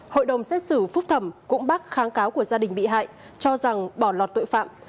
hội đồng xét xử phúc thẩm cũng bác kháng cáo của gia đình bị hại cho rằng bỏ lọt tội phạm